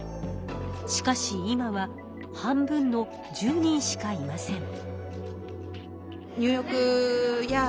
しかし今は半分の１０人しかいません。